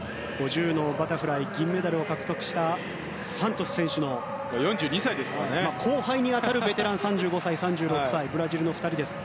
５０のバタフライ銀メダルを獲得したサントス選手の後輩に当たるベテランの３５歳、３６歳ブラジルの２人です。